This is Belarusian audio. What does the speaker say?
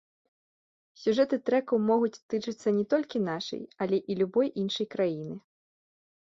Сюжэты трэкаў могуць тычыцца не толькі нашай, але і любой іншай краіны.